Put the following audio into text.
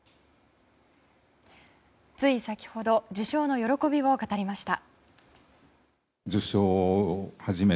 つい先ほど受賞の喜びを語りました。